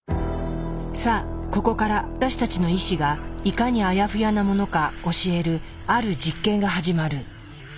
さあここから私たちの意志がいかにあやふやなものか教えるある実験が始まる。